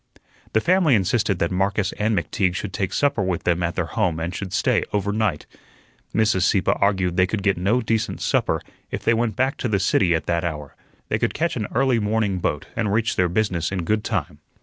The family insisted that Marcus and McTeague should take supper with them at their home and should stay over night. Mrs. Sieppe argued they could get no decent supper if they went back to the city at that hour; that they could catch an early morning boat and reach their business in good time.